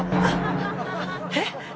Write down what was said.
えっ。